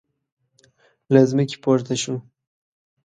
له ځمکې پورته شو.